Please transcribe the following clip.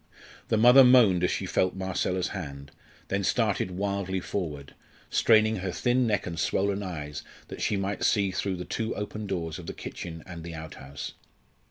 The mother moaned as she felt Marcella's hand, then started wildly forward, straining her thin neck and swollen eyes that she might see through the two open doors of the kitchen and the outhouse.